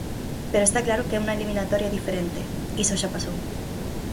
Pero está claro que é unha eliminatoria diferente, iso xa pasou.